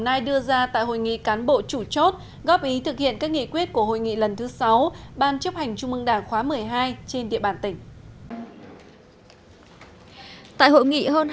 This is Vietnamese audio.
tỉnh đồng nai đưa ra tại hội nghị cán bộ chủ chốt góp ý thực hiện các nghị quyết của hội nghị lần thứ sáu ban chấp hành trung ương đảng khóa một mươi hai trên địa bàn tỉnh